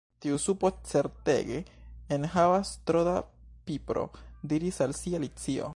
"Tiu supo certege enhavas tro da pipro," diris al si Alicio.